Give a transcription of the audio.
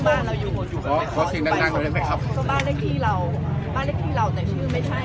ไปกับของเขาแล้วใจบ้านละทีเราบ้านละทีเราแต่ชื่อไม่ได้